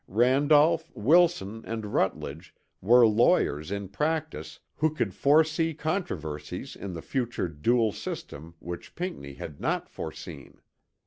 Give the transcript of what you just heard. Randolph, Wilson and Rutledge were lawyers in practice who could foresee controversies in the future dual system which Pinckney had not foreseen.